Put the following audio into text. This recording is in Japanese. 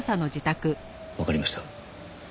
わかりました。